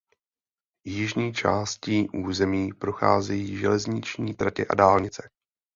Jižní částí území procházejí železniční tratě a dálnice.